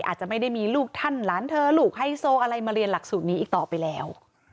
อาจจะไม่ได้มีลูกท่านหลานเธอลูกไฮโซอะไรมาเรียนหลักสูตรนี้อีกต่อไปแล้ว